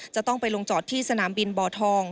จะต้องไปลงจอดที่สนามบินบ่อทอง